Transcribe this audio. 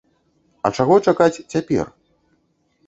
А чаго чакаць цяпер?